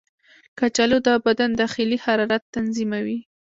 کچالو د بدن داخلي حرارت تنظیموي.